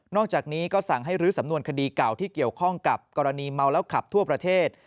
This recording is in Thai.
อกจากนี้ก็สั่งให้รื้อสำนวนคดีเก่าที่เกี่ยวข้องกับกรณีเมาแล้วขับทั่วประเทศ